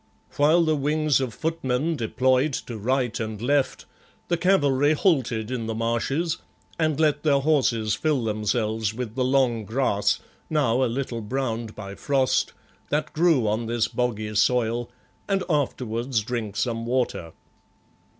While the wings of footmen deployed to right and left, the cavalry halted in the marshes and let their horses fill themselves with the long grass, now a little browned by frost, that grew on this boggy soil, and afterwards drink some water.